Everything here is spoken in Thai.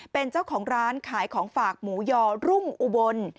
เป็นเจ้าของร้านขายของฝากหมูยอรุ่งอุบล